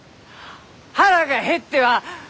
腹が減っては！